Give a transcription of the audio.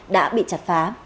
đã bị chặt phá